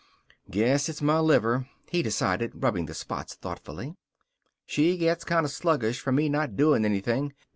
"Guess it's my liver," he decided, rubbing the spots thoughtfully. "She gets kind of sluggish from me not doing anything.